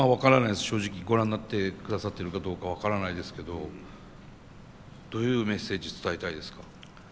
正直ご覧になってくださってるかどうか分からないですけどどういうメッセージ伝えたいですか？